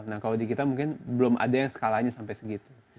nah kalau di kita mungkin belum ada yang skalanya sampai segitu